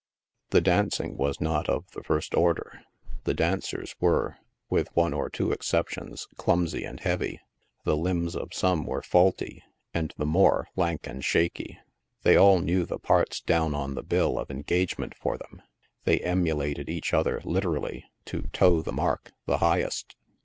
The dancing was not of the first order ; the dancers were, with one or two exceptions, clumsy and heavy 5 the limbs of some were faulty, and the more lank and shaky. They all knew the parts down on the bill of en gagement for them — they emulated each other literally to " toe the mark"' the highest.